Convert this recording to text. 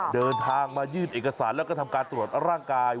เดินทางมายื่นเอกสารแล้วก็ทำการตรวจร่างกาย